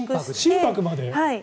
心拍まで？